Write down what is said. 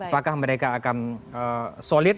apakah mereka akan solid